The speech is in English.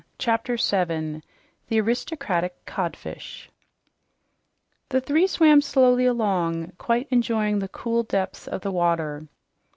CHAPTER 7 THE ARISTOCRATIC CODFISH The three swam slowly along, quite enjoying the cool depths of the water.